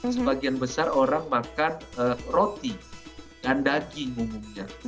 sebagian besar orang makan roti dan daging umumnya